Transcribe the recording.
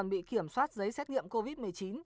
bị kiểm soát giấy xét nghiệm covid một mươi chín